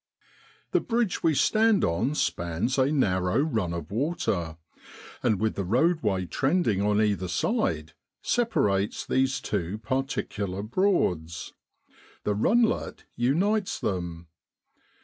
The bridge we stand on spans a narrow run of water, and with the roadway trending on either side, separates these two particular Broads ; the runlet unites them.